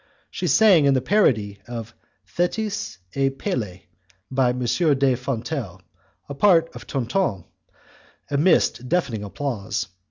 She sang in the parody of 'Thetis et Pelee', by M. de Fontelle, the part of Tonton, amidst deafening applause.